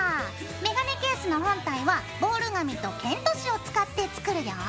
メガネケースの本体はボール紙とケント紙を使って作るよ。